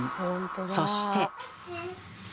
そして。